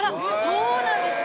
そうなんですか。